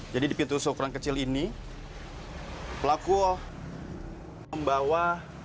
jadi di pintu seukuran kecil ini pelaku membawa